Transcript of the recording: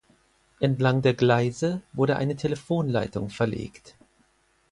Entlang der Gleise wurde eine Telefonleitung verlegt.